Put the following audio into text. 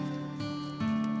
aku mau ke rumah